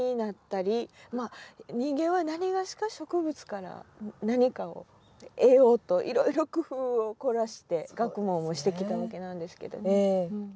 まあ人間は何がしか植物から何かを得ようといろいろ工夫を凝らして学問をしてきたわけなんですけどね。